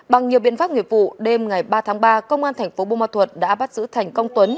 bằng nhiều biện pháp nghiệp vụ đêm ngày ba tháng ba công an thành phố bô ma thuật đã bắt giữ thành công tuấn